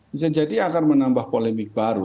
bisa jadi akan menambah polemik baru